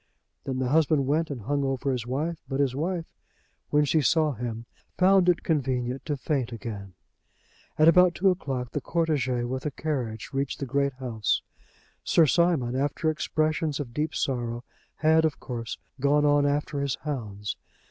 Then the husband went and hung over his wife, but his wife, when she saw him, found it convenient to faint again. At about two o'clock the cortège with the carriage reached the great house. Sir Simon, after expressions of deep sorrow had, of course, gone on after his hounds.